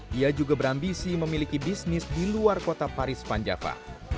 dia juga berambisi memiliki bisnis di luar kota paris panjava